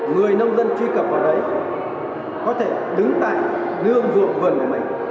người nông dân truy cập vào đấy có thể đứng tại nương ruộng vườn của mình